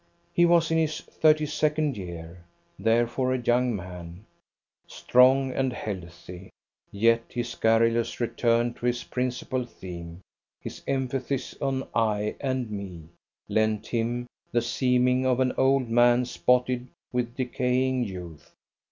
He was in his thirty second year, therefore a young man, strong and healthy, yet his garrulous return to his principal theme, his emphasis on I and me, lent him the seeming of an old man spotted with decaying youth.